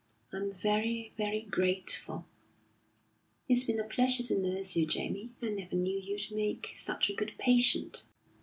"I'm very, very grateful!" "It's been a pleasure to nurse you, Jamie. I never knew you'd make such a good patient."